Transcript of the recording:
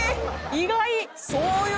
意外！